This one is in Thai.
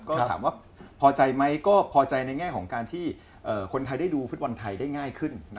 ก็ถามว่าพอใจไหมก็พอใจในแง่ของการที่คนไทยได้ดูฟุตบอลไทยได้ง่ายขึ้น